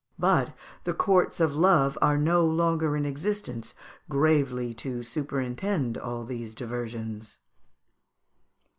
But the Courts of Love are no longer in existence gravely to superintend all these diversions (Fig.